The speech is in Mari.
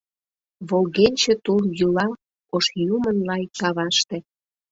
Волгенче тул йӱла Ош Юмын лай каваште.